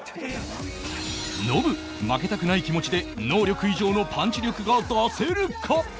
ノブ負けたくない気持ちで能力以上のパンチ力が出せるか？